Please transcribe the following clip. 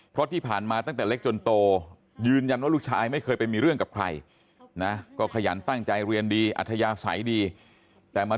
เพราะที่ผ่านมาตั้งแต่เล็กจนโต